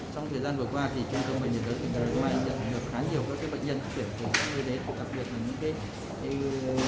trong thời gian vừa qua thì trung tâm bệnh nhiễm lớn